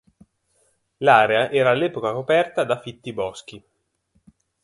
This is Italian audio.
L'area era all'epoca coperta da fitti boschi.